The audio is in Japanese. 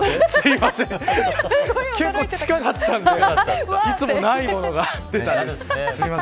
結構近かったのでいつもないものが出てきたので。